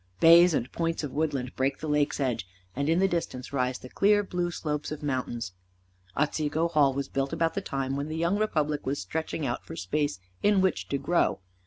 Bays and points of woodland break the Lake's edge, and in the distance rise the clear blue slopes of mountains. Otsego Hall was built about the time when the young republic was stretching out for space in which to grow. Mr.